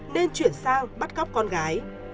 nên chuyển sang bắt góp con gái